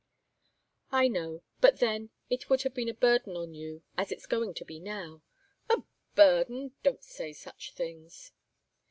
"I know but then, it would have been a burden on you, as it's going to be now." "A burden! Don't say such things."